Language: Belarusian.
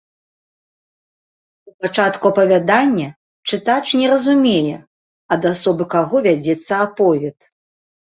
У пачатку апавядання чытач не разумее, ад асобы каго вядзецца аповед.